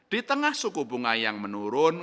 di tengah suku bunga yang menurun